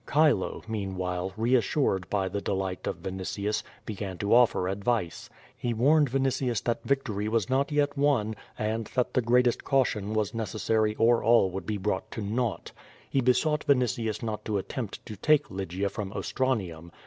Chilo, meanwhile, reassured by the delight of Vinitius, began to offer advice. He warned Vinitius that victory was not yet won, and that the greatest caution was ne cessary or all would be brought to naught. He besought Vinitius not to attempt to take Lygia from Ostranium.